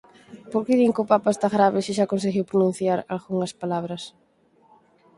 Por que din que o Papa está grave se xa conseguiu pronunciar algunhas palabras?